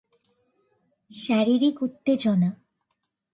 শারীরিক উত্তেজনা।